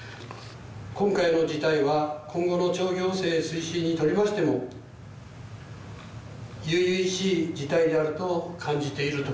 今回の事態は今後の町行政推進にとりましても由々しい事態であると感じているところでもあります。